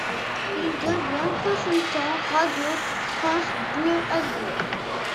Il devient consultant radio pour France Bleu Azur.